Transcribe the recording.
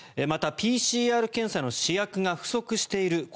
また、ＰＣＲ検査の試薬が不足している。